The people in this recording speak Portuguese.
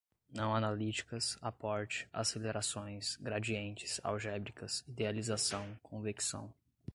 não-analíticas, aporte, acelerações, gradientes, algébricas, idealização, convecção